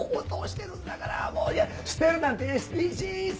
もう捨てるなんてＳＤＧｓ！